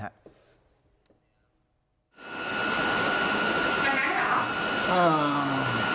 อืม